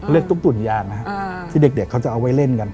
เรียกตุ๊กตุ่นญาชนะฮะที่เด็กเค้าจะเอาไว้เร่นกัน